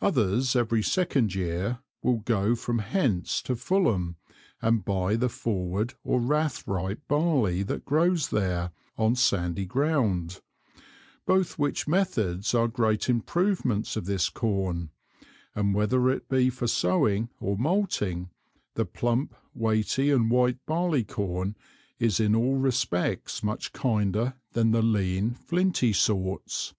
Others every second Year will go from hence to Fullham and buy the Forward or Rath ripe Barley that grows there on Sandy ground; both which Methods are great Improvements of this Corn, and whether it be for sowing or malting, the plump, weighty and white Barley corn, is in all respects much kinder than the lean flinty Sorts.